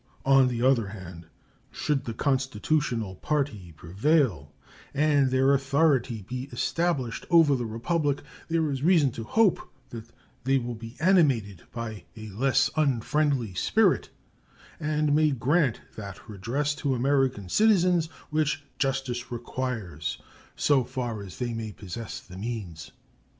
On the other hand, should the constitutional party prevail and their authority be established over the Republic, there is reason to hope that they will be animated by a less unfriendly spirit and may grant that redress to American citizens which justice requires so far as they may possess the means.